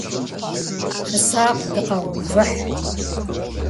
Фысакъ, дыкъаувыхь!